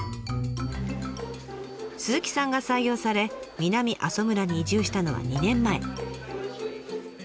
鈴木さんが採用され南阿蘇村に移住したのは２年前。